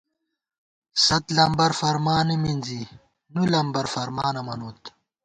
ست لمبر فرمانہ منزی نُولمبر فرمانہ منوت